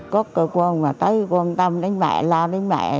có cơ quan mà tới quan tâm đến mẹ lo đến mẹ